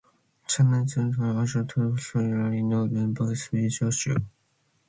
Cha nen tushtey, agh graih ta soilshaghey nooghyn voish jouyil.